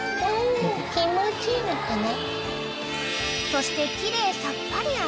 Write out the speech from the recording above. ［そして］